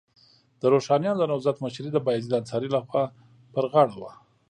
د روښانیانو د نهضت مشري د بایزید انصاري لخوا پر غاړه وه.